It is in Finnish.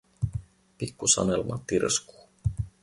Pikku Sanelma tirskuu.